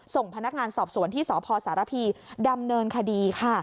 ส่งพนักงานสอบสวนที่สพสารพีดำเนินคดีค่ะ